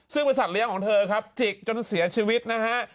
ซึ่งบริษัทเลี้ยงของเธอครับจิกจนเสียชีวิตนะฮะ